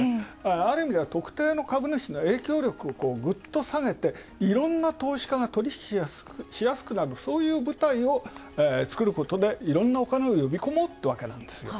ある意味では特定の株主総会の影響力をぐっとさげて、いろんな投資家が取引がしやすくなる、そういう舞台を作ることでいろんなお金を呼び込もうというわけ。